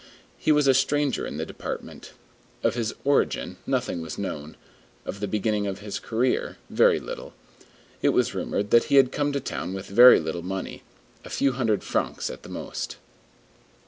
He was a stranger in the Department. Of his origin, nothing was known; of the beginning of his career, very little. It was rumored that he had come to town with very little money, a few hundred francs at the most.